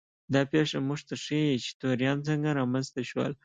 دا پېښه موږ ته ښيي چې توریان څنګه رامنځته شول.